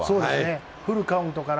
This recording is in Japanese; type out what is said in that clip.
フルカウントから。